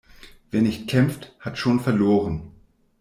Wer nicht kämpft, hat schon verloren.